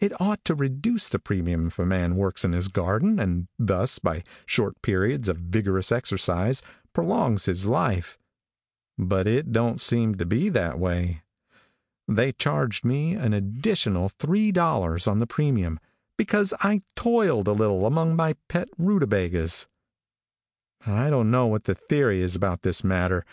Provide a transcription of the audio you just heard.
It ought to reduce the premium if a man works in his garden, and thus, by short periods of vigorous exercise, prolongs his life, but it don't seem to be that way. They charged me an additional three dollars on the premium, because I toiled a little among my pet rutabagas. "I don't know what the theory is about this matter.